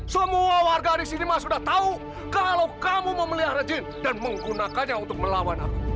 semua warga di sini sudah tahu kalau kamu memelihara rejim dan menggunakannya untuk melawan aku